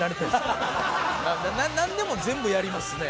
なんでも全部やりますね。